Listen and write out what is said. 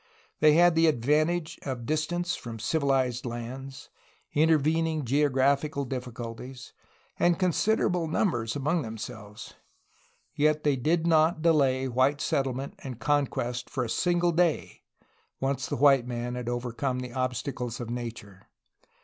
They had the advantage of distance from civilized lands, intervening geo graphical difficulties, and considerable numbers among themselves. Yet they did not delay white settlement and conquest for a single day, once the white man had over come the obstacles of nature.